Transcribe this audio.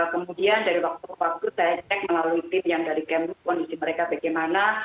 kemudian dari waktu ke waktu saya cek melalui tim yang dari kemlu kondisi mereka bagaimana